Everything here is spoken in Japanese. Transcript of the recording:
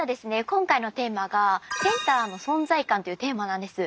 今回のテーマが「センターの存在感」というテーマなんです。